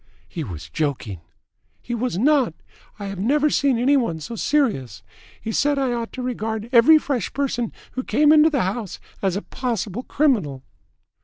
"He was joking." "He was not. I have never seen any one so serious. He said that I ought to regard every fresh person who came into the house as a possible criminal."